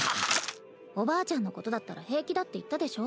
おばあちゃんのことだったら平気だって言ったでしょ。